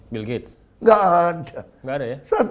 bill gates nggak ada